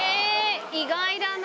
意外だな。